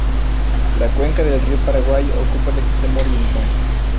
La cuenca del río Paraguay ocupa el extremo oriental.